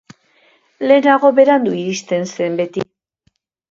Lehenago berandu iristen zen beti.